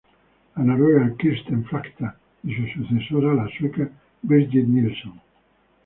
La noruega Kirsten Flagstad y su sucesora, la sueca Birgit Nilsson.